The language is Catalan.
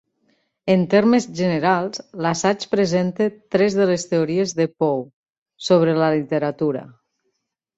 En termes generals, l'assaig presenta tres de les teories de Poe sobre la literatura.